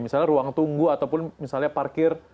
misalnya ruang tunggu ataupun misalnya parkir